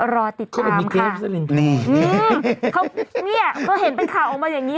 รอติดตามค่ะนี่เห็นเป็นข่าวออกมาอย่างนี้